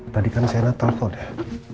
tadi kan saya natal kok udah